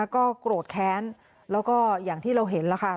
ก็โกรธแค้นแล้วก็อย่างที่เราเห็นแล้วค่ะ